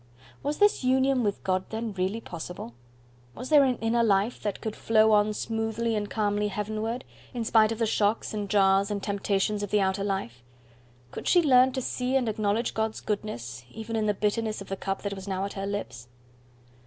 Was this union with God, then, really possible? Was there an inner life that could flow on smoothly and calmly heavenward, in spite of the shocks, and jars, and temptations of the outer life? Could she learn to see and acknowledge God's goodness even in the bitterness of the cup that was now at her lips?